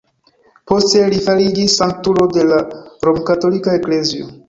Poste li fariĝis sanktulo de la rom-katolika Eklezio.